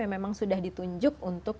yang memang sudah ditunjuk untuk